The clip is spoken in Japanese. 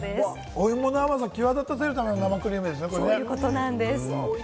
お芋の甘さを際立たせるためのものですね。